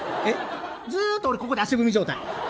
ずっと俺ここで足踏み状態。